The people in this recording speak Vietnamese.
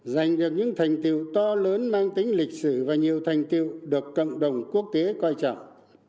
giành được những thành tiêu to lớn mang tính lịch sử và nhiều thành tiêu được cộng đồng quốc tế quan trọng